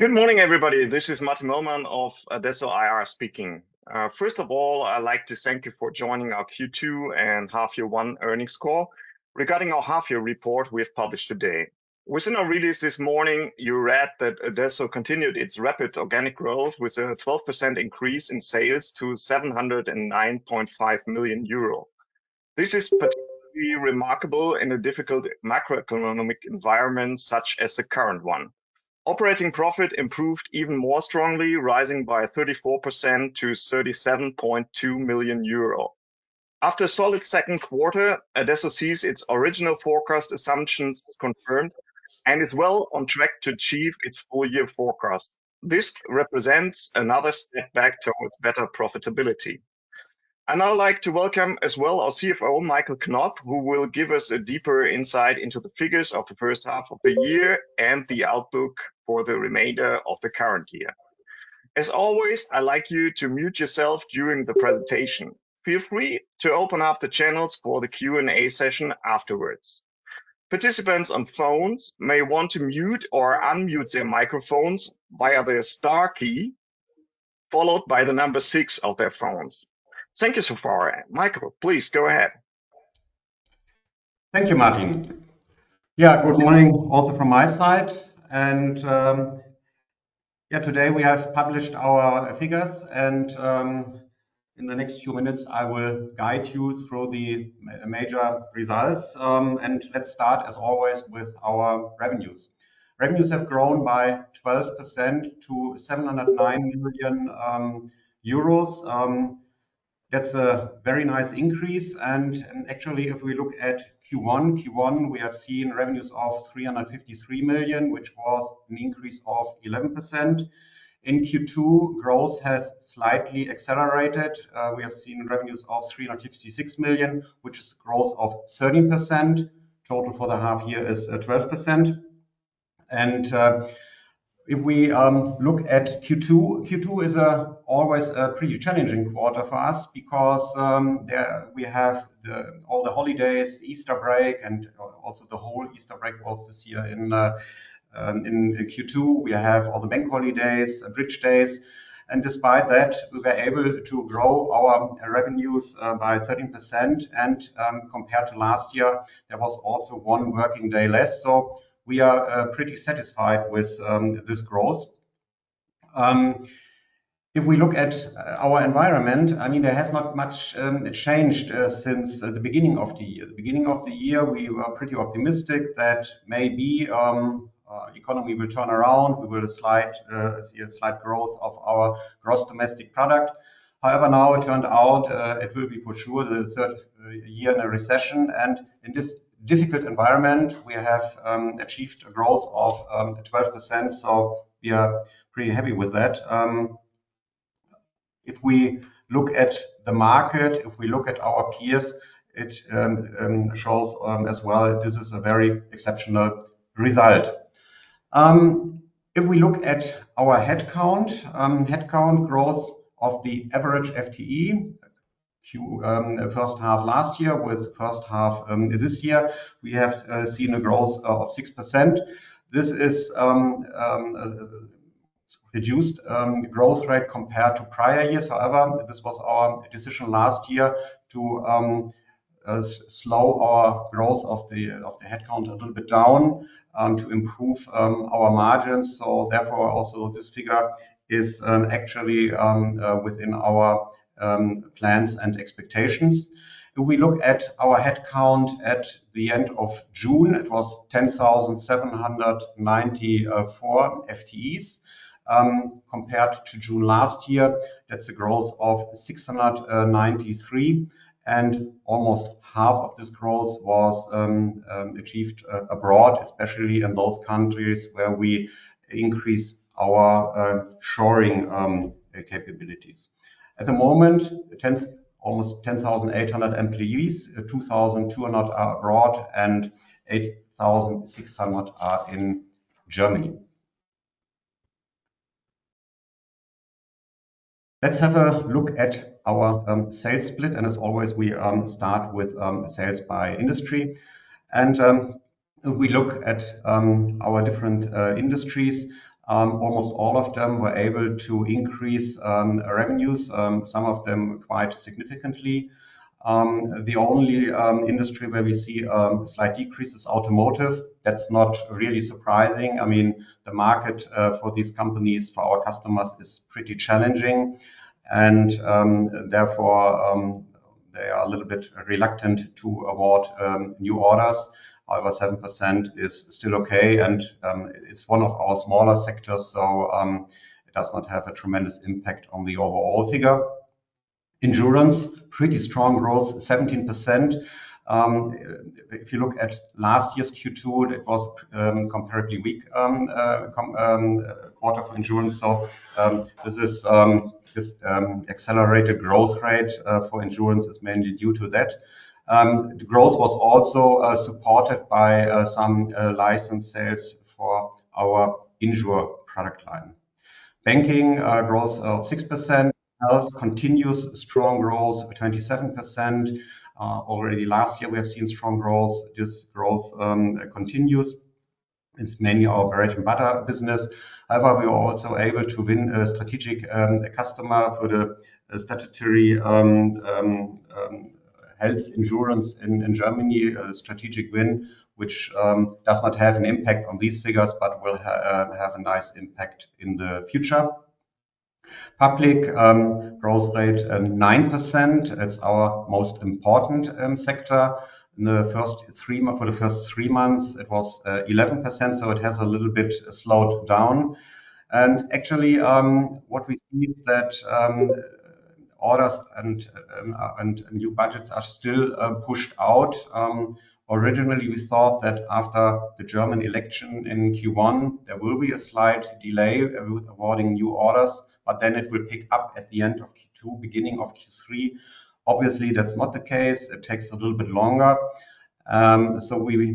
Good morning, everybody. This is Martin Möllmann of adesso IR speaking. First of all, I'd like to thank you for joining our Q2 and Half Year One Earnings Call regarding our half year report we have published today. Within our release this morning, you read that adesso continued its rapid organic growth with a 12% increase in sales to 709.5 million euro. This is particularly remarkable in a difficult macroeconomic environment such as the current one. Operating profit improved even more strongly, rising by 34% to 37.2 million euro. After a solid second quarter, adesso sees its original forecast assumptions confirmed and is well on track to achieve its full year forecast. This represents another step back towards better profitability. I'd now like to welcome as well our CFO, Michael Knopp, who will give us a deeper insight into the figures of the first half of the year and the outlook for the remainder of the current year. As always, I'd like you to mute yourself during the presentation. Feel free to open up the channels for the Q&A session afterwards. Participants on phones may want to mute or unmute their microphones via their star key, followed by the number 6 of their phones. Thank you so far. Michael, please go ahead. Thank you, Martin Möllmann. Good morning also from my side. Yeah, today we have published our figures, in the next few minutes, I will guide you through the major results. Let's start as always with our revenues. Revenues have grown by 12% to 709 million euros. That's a very nice increase. Actually, if we look at Q1, we have seen revenues of 353 million, which was an increase of 11%. In Q2, growth has slightly accelerated. We have seen revenues of 356 million, which is growth of 13%. Total for the half year is 12%. If we look at Q2 is always a pretty challenging quarter for us because there we have all the holidays, Easter break, and also the whole Easter break was this year in Q2. We have all the bank holidays, bridge days. Despite that, we were able to grow our revenues by 13%. Compared to last year, there was also 1 working day less. We are pretty satisfied with this growth. If we look at our environment, I mean, there has not much changed since the beginning of the year. The beginning of the year, we were pretty optimistic that maybe economy will turn around. We will slight growth of our gross domestic product. Now it turned out, it will be for sure the third year in a recession. In this difficult environment, we have achieved a growth of 12%, so we are pretty happy with that. If we look at the market, if we look at our peers, it shows as well this is a very exceptional result. If we look at our headcount growth of the average FTE, first half last year with first half this year, we have seen a growth of 6%. This is a reduced growth rate compared to prior years. This was our decision last year to slow our growth of the, of the headcount a little bit down to improve our margins. Therefore, also this figure is actually within our plans and expectations. If we look at our headcount at the end of June, it was 10,794 FTEs. Compared to June last year, that's a growth of 693, and almost half of this growth was achieved abroad, especially in those countries where we increase our shoring capabilities. At the moment, almost 10,800 employees, 2,200 are abroad, and 8,600 are in Germany. Let's have a look at our sales split, and as always, we start with sales by industry. If we look at our different industries, almost all of them were able to increase revenues, some of them quite significantly. The only industry where we see slight decrease is automotive. That's not really surprising. I mean, the market for these companies, for our customers is pretty challenging, and therefore, they are a little bit reluctant to award new orders. However, 7% is still okay, and it's one of our smaller sectors so it does not have a tremendous impact on the overall figure. Insurance, pretty strong growth, 17%. If you look at last year's Q2, it was comparatively weak quarter for insurance. This is this accelerated growth rate for insurance is mainly due to that. The growth was also supported by some license sales for our in|sure product line. Banking, growth of 6%. Health continues strong growth of 27%. Already last year we have seen strong growth. This growth continues. It's mainly our bread and butter business. We were also able to win a strategic customer for the statutory health insurance in Germany. A strategic win which does not have an impact on these figures but will have a nice impact in the future. Public growth rate 9%. It's our most important sector. In the first three months it was 11%, it has a little bit slowed down. Actually, what we see is that orders and new budgets are still pushed out. Originally we thought that after the German election in Q1, there will be a slight delay with awarding new orders, but then it would pick up at the end of Q2, beginning of Q3. Obviously, that's not the case. It takes a little bit longer. We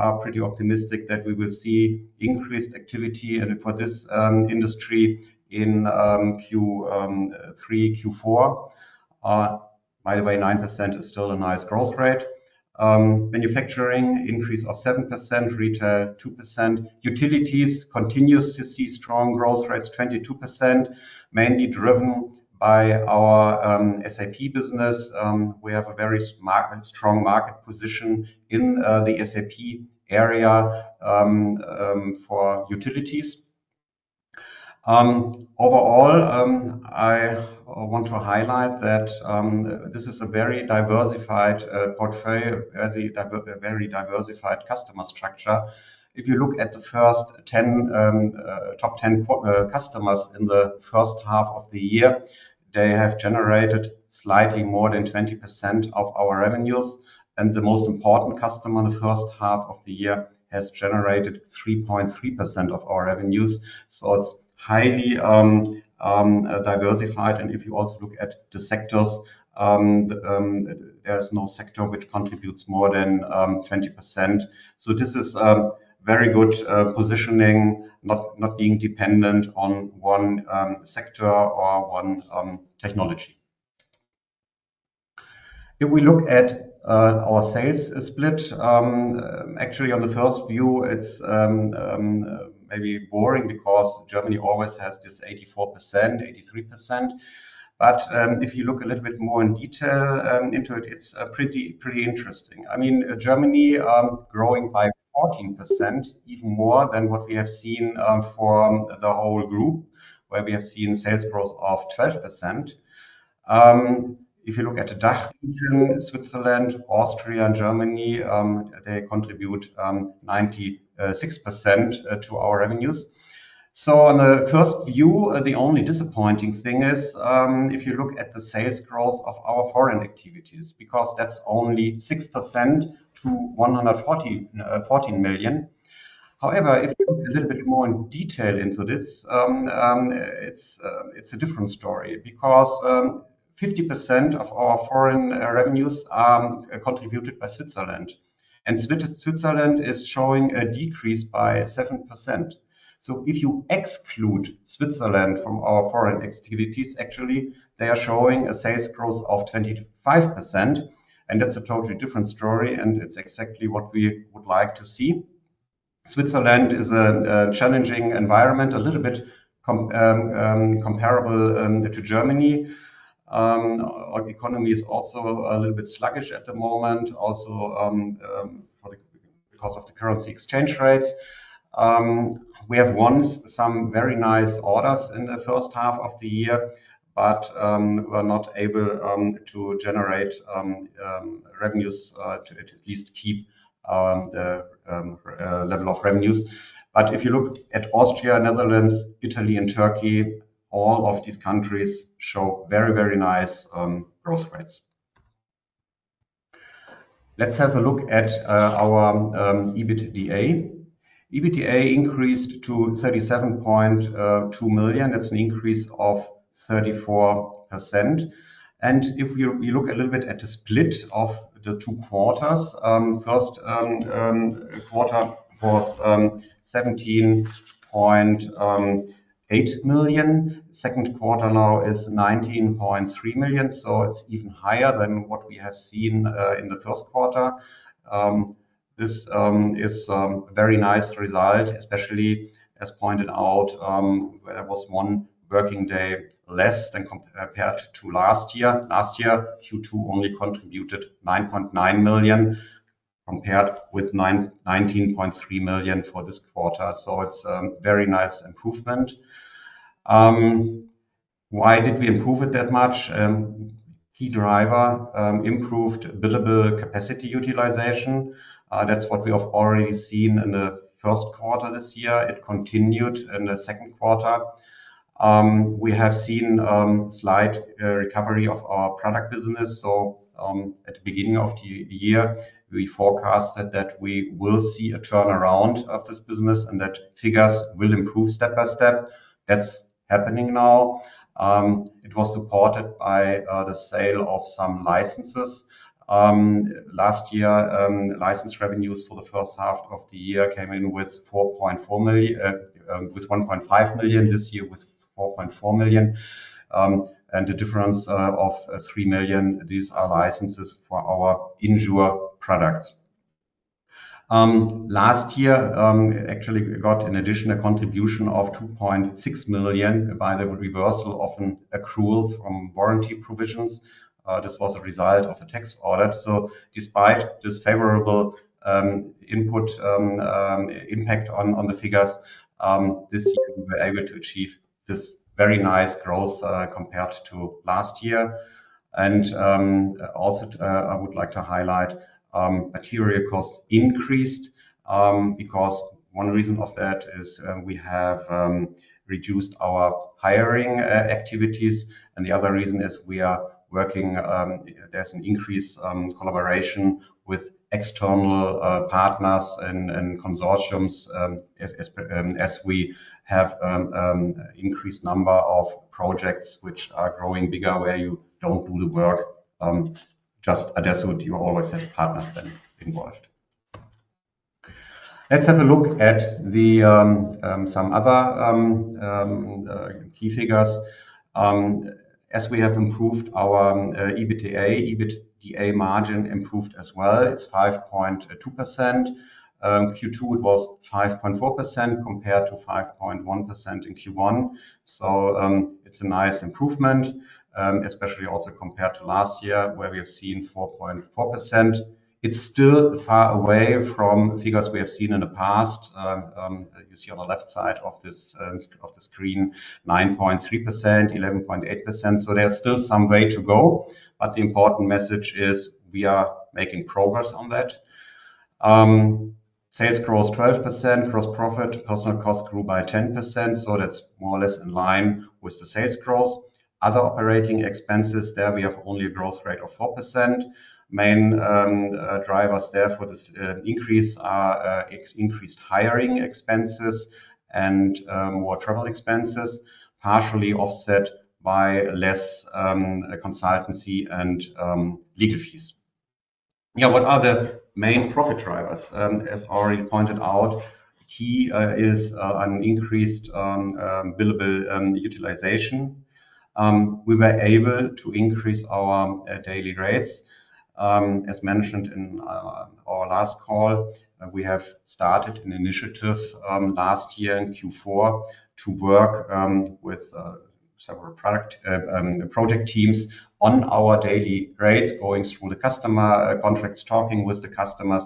are pretty optimistic that we will see increased activity and for this industry in Q3, Q4. By the way, 9% is still a nice growth rate. Manufacturing increase of 7%. Retail, 2%. Utilities continues to see strong growth rates, 22%, mainly driven by our SAP business. We have a very strong market position in the SAP area for utilities. Overall, I want to highlight that this is a very diversified portfolio, a very diversified customer structure. If you look at the first 10, top 10 customers in the first half of the year, they have generated slightly more than 20% of our revenues, and the most important customer in the first half of the year has generated 3.3% of our revenues. It's highly diversified. If you also look at the sectors, there's no sector which contributes more than 20%. This is very good positioning, not being dependent on one sector or one technology. If we look at our sales split, actually on the first view it's maybe boring because Germany always has this 84%, 83%. If you look a little bit more in detail into it's pretty interesting. I mean Germany, growing by 14%, even more than what we have seen for the whole group, where we have seen sales growth of 12%. If you look at the DACH region, Switzerland, Austria and Germany, they contribute 96% to our revenues. On the first view, the only disappointing thing is, if you look at the sales growth of our foreign activities, because that's only 6% to 114 million. If you look a little bit more in detail into this, it's a different story because 50% of our foreign revenues are contributed by Switzerland, and Switzerland is showing a decrease by 7%. If you exclude Switzerland from our foreign activities, they are showing a sales growth of 25%. That's a totally different story. It's exactly what we would like to see. Switzerland is a challenging environment, a little bit comparable to Germany. Our economy is also a little bit sluggish at the moment because of the currency exchange rates. We have won some very nice orders in the first half of the year, we're not able to generate revenues to at least keep the level of revenues. If you look at Austria, Netherlands, Italy and Turkey, all of these countries show very nice growth rates. Let's have a look at our EBITDA. EBITDA increased to 37.2 million. That's an increase of 34%. If you look a little bit at the split of the two quarters, first quarter was 17.8 million. Second quarter now is 19.3 million. It's even higher than what we have seen in the first quarter. This is a very nice result, especially as pointed out, where there was one working day less than compared to last year. Last year, Q2 only contributed 9.9 million compared with 19.3 million for this quarter. It's a very nice improvement. Why did we improve it that much? Key driver, improved billable capacity utilization. That's what we have already seen in the first quarter this year. It continued in the second quarter. We have seen slight recovery of our product business. At the beginning of the year, we forecasted that we will see a turnaround of this business and that figures will improve step by step. That's happening now. It was supported by the sale of some licenses. Last year, license revenues for the first half of the year came in with 1.5 million, this year with 4.4 million, and a difference of 3 million. These are licenses for our in|sure products. Last year, actually we got an additional contribution of 2.6 million by the reversal of an accrual from warranty provisions. This was a result of a tax audit. Despite this favorable input impact on the figures, this year we were able to achieve this very nice growth compared to last year. Also, I would like to highlight, material costs increased because one reason of that is we have reduced our hiring activities. The other reason is we are working. There is an increased collaboration with external partners and consortiums as we have an increased number of projects which are growing bigger, where you don't do the work just at adesso. You always have partners then involved. Let's have a look at the some other key figures. As we have improved our EBITDA margin improved as well. It is 5.2%. Q2, it was 5.4% compared to 5.1% in Q1. It's a nice improvement, especially also compared to last year, where we have seen 4.4%. It's still far away from figures we have seen in the past. You see on the left side of this, of the screen, 9.3%, 11.8%. There's still some way to go, but the important message is we are making progress on that. Sales growth 12%. Gross profit, personnel costs grew by 10%, that's more or less in line with the sales growth. Other operating expenses, there we have only a growth rate of 4%. Main drivers there for this increase are increased hiring expenses and more travel expenses, partially offset by less consultancy and legal fees. What are the main profit drivers? As already pointed out, key is an increased billable utilization. We were able to increase our daily rates. As mentioned in our last call, we have started an initiative last year in Q4 to work with several product project teams on our daily rates, going through the customer contracts, talking with the customers.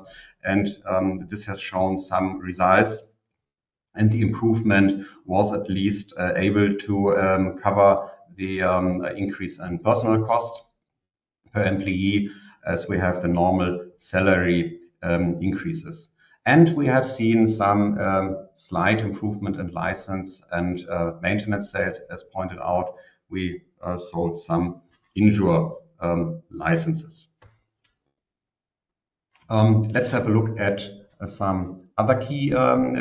This has shown some results, and the improvement was at least able to cover the increase in personal costs per employee as we have the normal salary increases. We have seen some slight improvement in license and maintenance sales. As pointed out, we sold some in|sure licenses. Let's have a look at some other key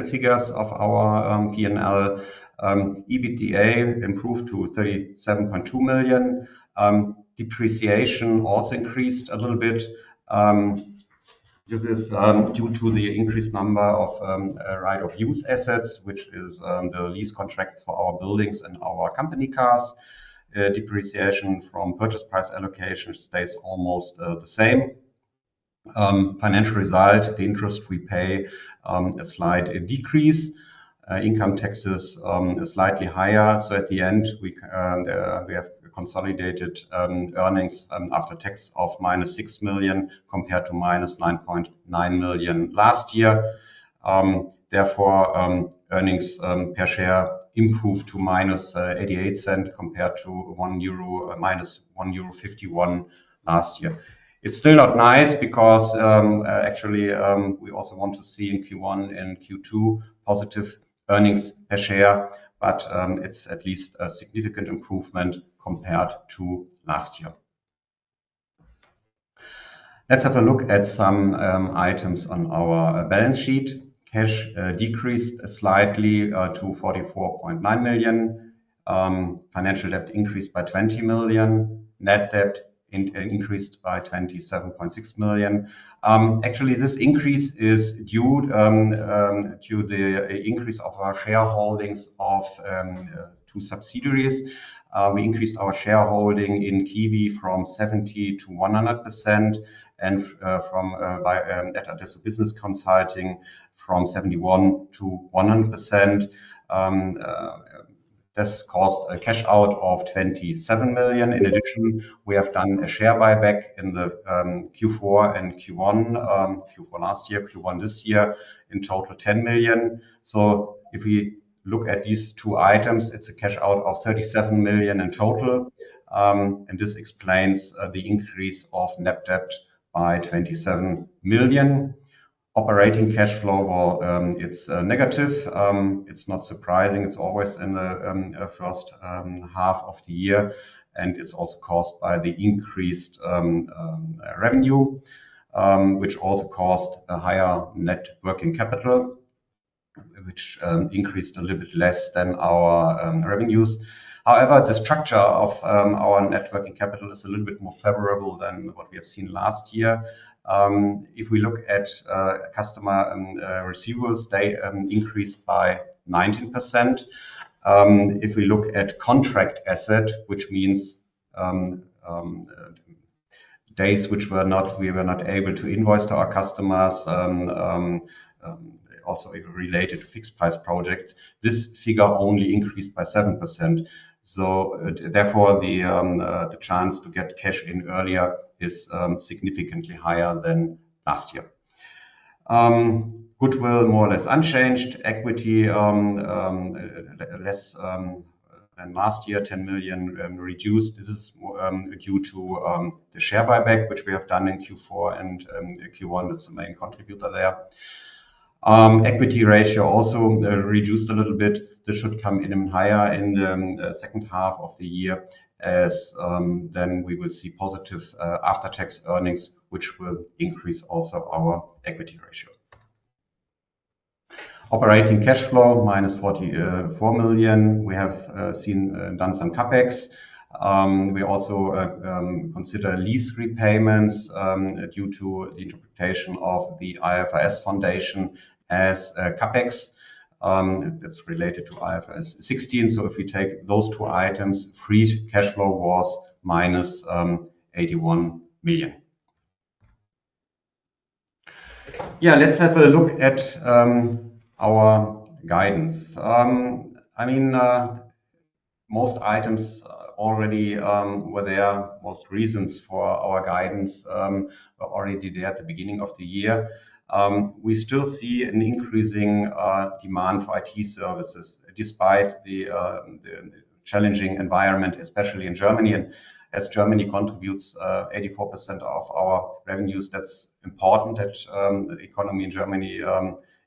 figures of our P&L. EBITDA improved to 37.2 million. Depreciation also increased a little bit. This is due to the increased number of right-of-use assets, which is the lease contracts for our buildings and our company cars. Depreciation from purchase price allocation stays almost the same. Financial result, the interest we pay, a slight decrease. Income taxes is slightly higher. At the end, we can we have consolidated earnings after tax of - 6 million compared to - 9.9 million last year. Earnings per share improved to - 0.88 compared to - 1.51 euro last year. It's still not nice because actually we also want to see in Q1 and Q2 positive earnings per share, but it's at least a significant improvement compared to last year. Let's have a look at some items on our balance sheet. Cash decreased slightly to 44.9 million. Financial debt increased by 20 million. Net debt increased by 27.6 million. Actually, this increase is due to the increase of our shareholdings of two subsidiaries. We increased our shareholding in KIWI from 70% to 100% and by adesso business consulting AG from 71% to 100%. This cost a cash out of 27 million. In addition, we have done a share buyback in the Q4 and Q1, Q4 last year, Q1 this year, in total 10 million. If we look at these two items, it's a cash out of 37 million in total. This explains the increase of net debt by 27 million. Operating cash flow, it's negative. It's not surprising. It's always in the first half of the year. It's also caused by the increased revenue, which also caused a higher net working capital, which increased a little bit less than our revenues. However, the structure of our net working capital is a little bit more favorable than what we have seen last year. If we look at customer and receivables, they increased by 19%. If we look at contract asset, which means days which we were not able to invoice to our customers, also related to fixed price projects. This figure only increased by 7%. Therefore the chance to get cash in earlier is significantly higher than last year. Goodwill, more or less unchanged. Equity less than last year, 10 million reduced. This is due to the share buyback, which we have done in Q4 and Q1. That's the main contributor there. Equity ratio also reduced a little bit. This should come in higher in the second half of the year as then we will see positive after-tax earnings, which will increase also our equity ratio. Operating cash flow, - 44 million. We have seen done some CapEx. We also consider lease repayments due to the interpretation of the IFRS foundation as CapEx, that's related to IFRS 16. If we take those two items, free cash flow was - EUR 81 million. Yeah, let's have a look at our guidance. I mean, most items already were there. Most reasons for our guidance already there at the beginning of the year. We still see an increasing demand for IT services despite the challenging environment, especially in Germany. As Germany contributes 84% of our revenues, that's important that the economy in Germany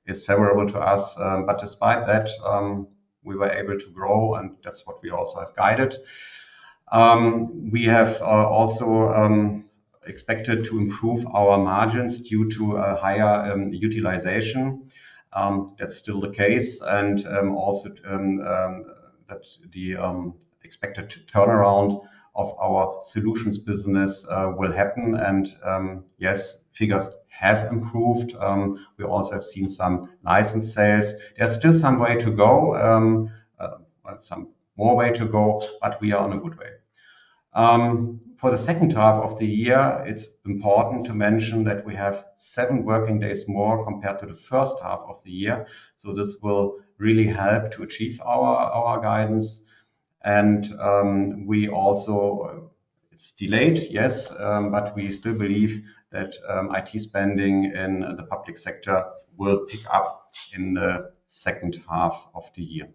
is favorable to us. Despite that, we were able to grow, and that's what we also have guided. We have also expected to improve our margins due to a higher utilization. That's still the case. Also, that the expected turnaround of our solutions business will happen. Yes, figures have improved. We also have seen some license sales. There's still some way to go, some more way to go, but we are on a good way. For the second half of the year, it's important to mention that we have seven working days more compared to the first half of the year. This will really help to achieve our guidance. It's delayed, yes, we still believe that IT spending in the public sector will pick up in the second half of the year.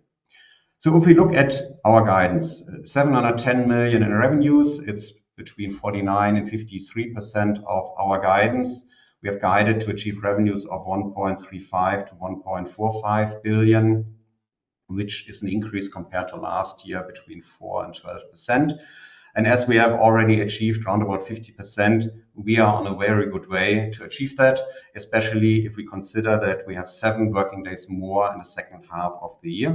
If we look at our guidance, 710 million in revenues, it's between 49% and 53% of our guidance. We have guided to achieve revenues of 1.35 billion-1.45 billion, which is an increase compared to last year between 4% and 12%. As we have already achieved around 50%, we are on a very good way to achieve that, especially if we consider that we have seven working days more in the second half of the year.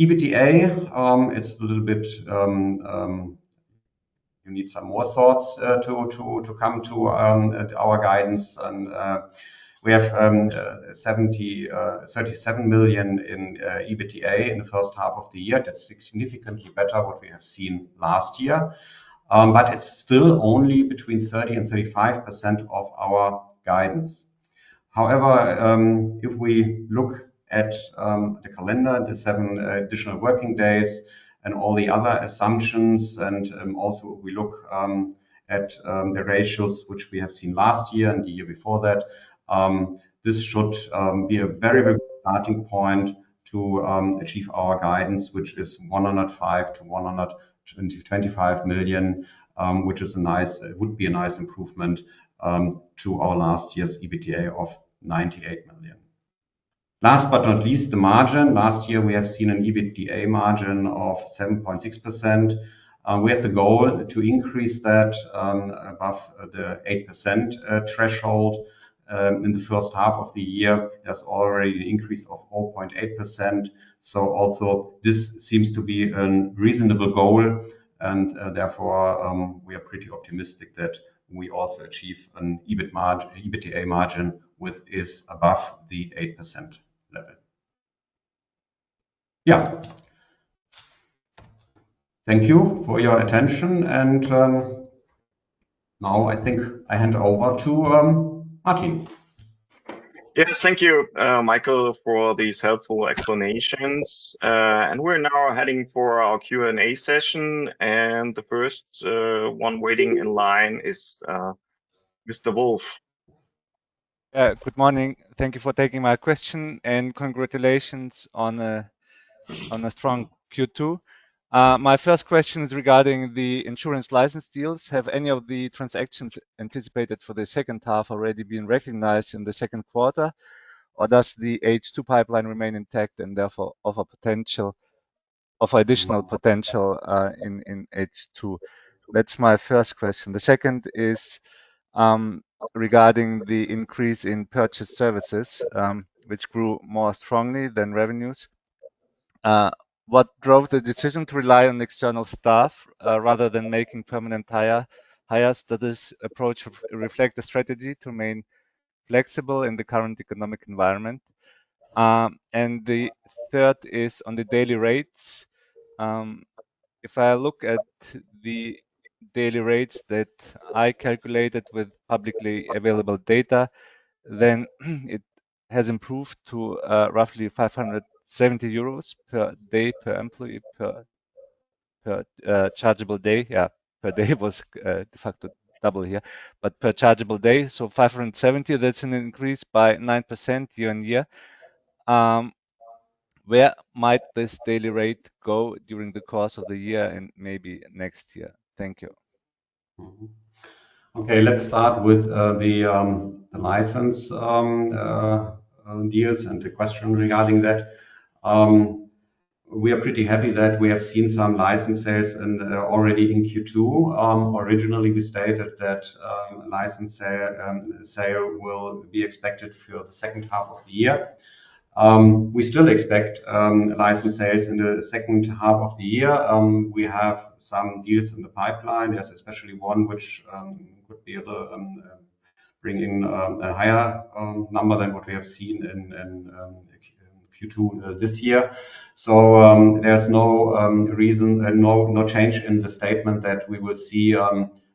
EBITDA, it's a little bit. You need some more thoughts to come to our guidance. We have 37 million EUR in EBITDA in the first half of the year. That's significantly better what we have seen last year. It's still only between 30% and 35% of our guidance. If we look at the calendar, the seven additional working days and all the other assumptions, also we look at the ratios which we have seen last year and the year before that, this should be a very good starting point to achieve our guidance, which is 105 million to 125 million, which it would be a nice improvement to our last year's EBITDA of 98 million. Last but not least, the margin. Last year, we have seen an EBITDA margin of 7.6%. We have the goal to increase that, above the 8% threshold. In the first half of the year, there's already an increase of 4.8%. Also this seems to be a reasonable goal, therefore, we are pretty optimistic that we also achieve an EBITDA margin, which is above the 8% level. Yeah. Thank you for your attention. Now I think I hand over to Martin. Yes. Thank you, Michael, for these helpful explanations. We're now heading for our Q&A session. The first one waiting in line is Mr. Wolf. Good morning. Thank you for taking my question, and congratulations on a strong Q2. My first question is regarding the insurance license deals. Have any of the transactions anticipated for the second half already been recognized in the second quarter, or does the H2 pipeline remain intact and therefore offer additional potential in H2? That's my first question. The second is regarding the increase in purchase services, which grew more strongly than revenues. What drove the decision to rely on external staff rather than making permanent hires? Does this approach reflect the strategy to main- Flexible in the current economic environment. The third is on the daily rates. If I look at the daily rates that I calculated with publicly available data, then it has improved to roughly 570 euros per day per employee per chargeable day. Yeah, per day was de facto double here, per chargeable day, so 570, that's an increase by 9% year-on-year. Where might this daily rate go during the course of the year and maybe next year? Thank you. Okay. Let's start with the license deals and the question regarding that. We are pretty happy that we have seen some license sales already in Q2. Originally we stated that license sale will be expected for the second half of the year. We still expect license sales in the second half of the year. We have some deals in the pipeline. There's especially one which could be able bring in a higher number than what we have seen in Q2 this year. There's no reason and no change in the statement that we will see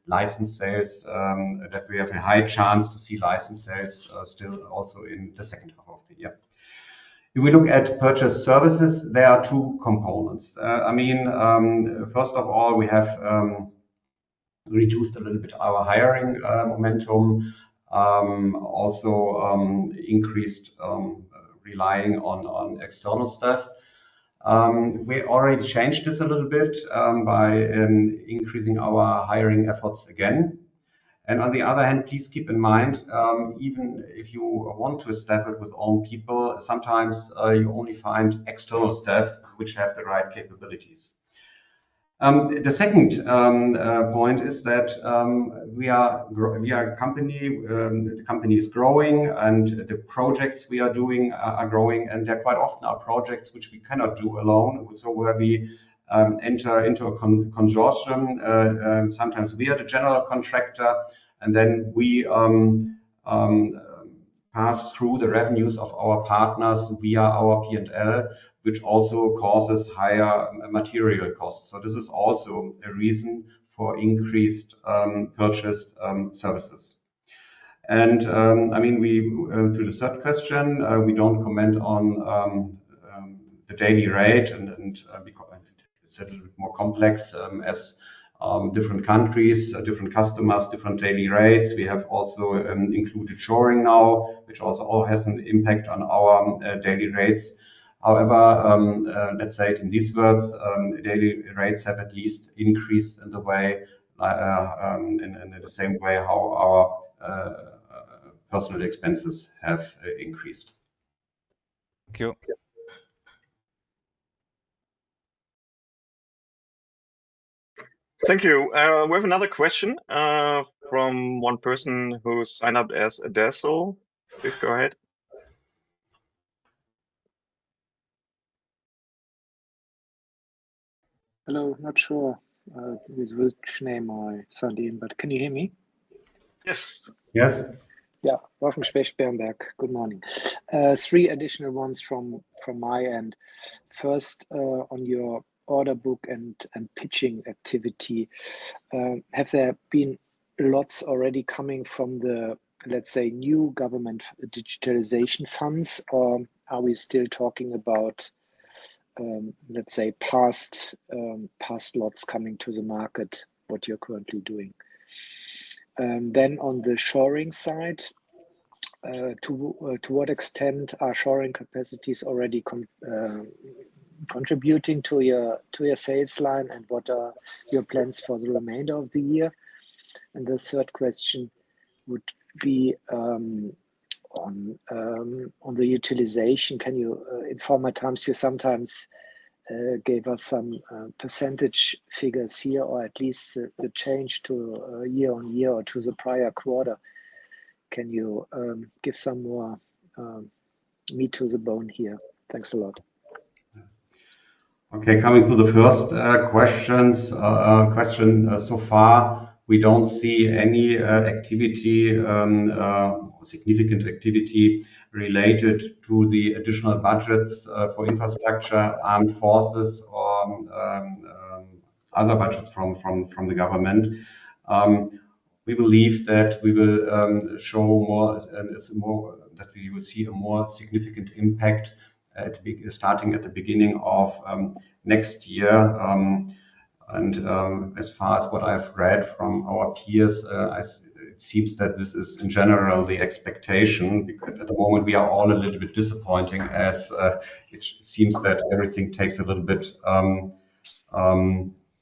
license sales, that we have a high chance to see license sales still also in the second half of the year. If we look at purchase services, there are two components. I mean, first of all, we have reduced a little bit our hiring momentum. Also, increased relying on external staff. We already changed this a little bit by increasing our hiring efforts again. On the other hand, please keep in mind, even if you want to staff it with own people, sometimes you only find external staff which have the right capabilities. The second point is that we are a company, the company is growing, and the projects we are doing are growing, and they're quite often are projects which we cannot do alone. Where we enter into a consortium, sometimes we are the general contractor, then we pass through the revenues of our partners via our P&L, which also causes higher material costs. This is also a reason for increased purchase services. I mean, to the third question, we don't comment on the daily rate, it is a little bit more complex as different countries, different customers, different daily rates. We have also included nearshoring now, which also all has an impact on our daily rates. However, let's say it in these words, daily rates have at least increased in the way in the same way how our personnel expenses have increased. Thank you. Thank you. Thank you. We have another question, from one person who signed up as adesso. Please go ahead. Hello. Not sure, with which name I signed in, but can you hear me? Yes. Yes. Yeah. Wolfgang Specht for Berenberg. Good morning. Three additional ones from my end. First, on your order book and pitching activity, have there been lots already coming from the, let's say, new government digitalization funds, or are we still talking about, let's say, past lots coming to the market, what you're currently doing? On the nearshoring side, to what extent are nearshoring capacities already contributing to your sales line, and what are your plans for the remainder of the year? The third question would be, on the utilization. Can you, in former times, you sometimes gave us some percentage figures here or at least the change to year-on-year or to the prior quarter. Can you give some more meat to the bone here? Thanks a lot. Okay. Coming to the first question, so far, we don't see any significant activity related to the additional budgets for infrastructure, armed forces or other budgets from the government. We believe that we will see a more significant impact starting at the beginning of next year. As far as what I've read from our peers, it seems that this is in general the expectation because at the moment we are all a little bit disappointing as it seems that everything takes a little bit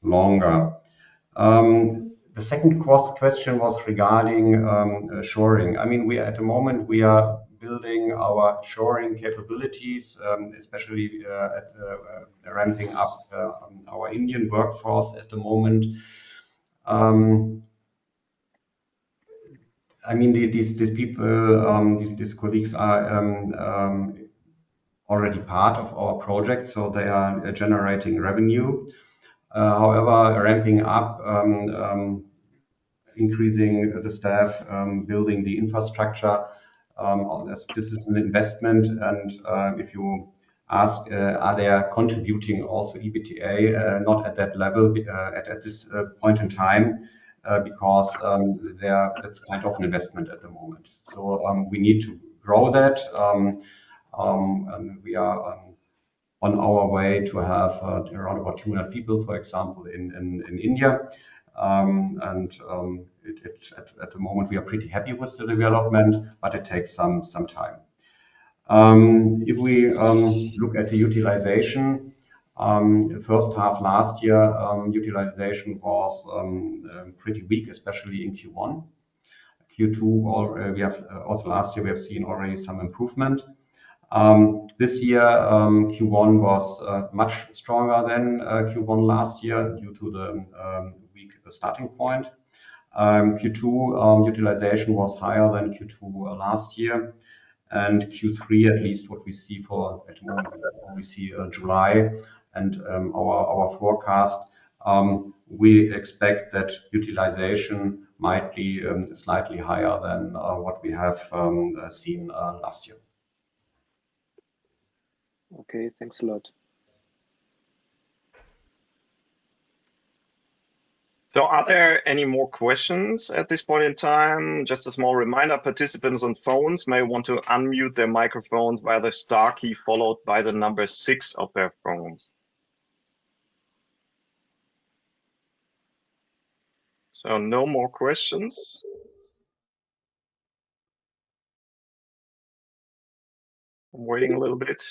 longer. The second cross question was regarding nearshoring. I mean, at the moment, we are building our nearshoring capabilities, especially at ramping up our Indian workforce at the moment. I mean, these people, these colleagues are already part of our project, so they are generating revenue. However, ramping up, increasing the staff, building the infrastructure, this is an investment and if you ask, are they contributing also EBITDA, not at that level at this point in time, because that's kind of an investment at the moment. We need to grow that. We are on our way to have around about 200 people, for example, in India. At the moment we are pretty happy with the development, but it takes some time. If we look at the utilization, first half last year, utilization was pretty weak, especially in Q1. Q2 or, also last year we have seen already some improvement. This year, Q1 was much stronger than Q1 last year due to the weak starting point. Q2 utilization was higher than Q2 last year. Q3, at least what we see for, at the moment, what we see, July and our forecast, we expect that utilization might be slightly higher than what we have seen last year. Okay. Thanks a lot. Are there any more questions at this point in time? Just a small reminder, participants on phones may want to unmute their microphones via the star key, followed by the six of their phones. No more questions? I'm waiting a little bit.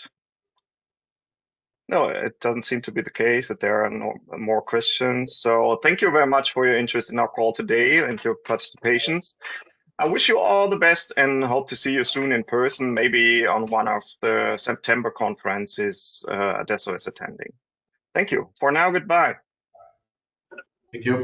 No, it doesn't seem to be the case that there are no more questions. Thank you very much for your interest in our call today and your participations. I wish you all the best and hope to see you soon in person, maybe on one of the September conferences, adesso is attending. Thank you. For now, goodbye. Thank you.